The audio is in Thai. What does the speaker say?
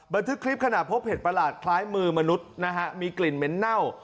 บันทึกคลิปขณะพบเห็ดประหลาดคล้ายมือมนุษย์นะฮะมีกลิ่นเหม็นเน่า